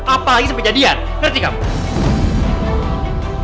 apalagi sampai jadi dia ngerti kamu